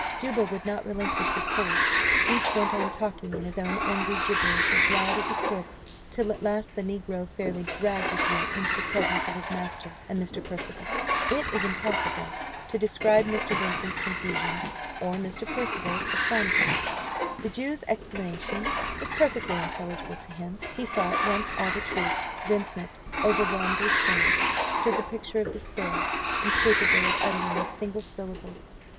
Juba would not relinquish his hold; each went on talking in his own angry gibberish as loud as he could, till at last the negro fairly dragged the Jew into the presence of his master and Mr. Percival. It is impossible to describe Mr. Vincent's confusion, or Mr. Percival's astonishment. The Jew's explanation was perfectly intelligible to him; he saw at once all the truth. Vincent, overwhelmed with shame, stood the picture of despair, incapable of uttering a single syllable.